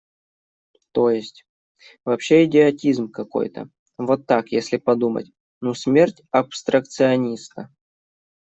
То есть, вообще идиотизм какой-то, вот так, если подумать: ну, смерть абстракциониста.